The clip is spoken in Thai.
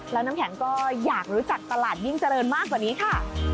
แล้วน้ำแข็งก็อยากรู้จักตลาดยิ่งเจริญมากกว่านี้ค่ะ